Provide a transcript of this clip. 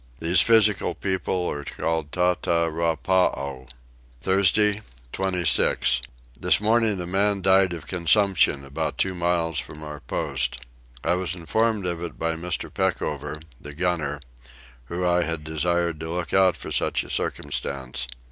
These physical people are called tata rapaow. Thursday 26. This morning a man died of a consumption about two miles from our post. I was informed of it by Mr. Peckover, the gunner, who I had desired to look out for such a circumstance.